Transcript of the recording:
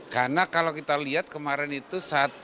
karena kalau kita lihat kemarin itu satu